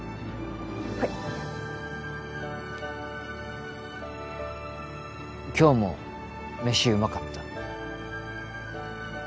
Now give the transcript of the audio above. はい今日もメシうまかった